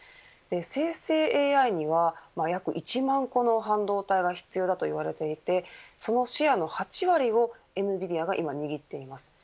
生成ＡＩには約１万個の半導体が必要だと言われていてそのシェアの８割をエヌビディアが今、握っています。